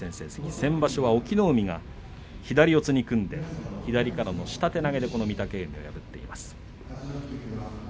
先場所は隠岐の海が左四つに組んで左からの下手投げで御嶽海を破りました。